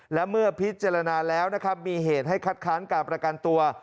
และเมื่อพิจารณาแล้วนะครับมีเหตุให้คัดค้านการประกันตัว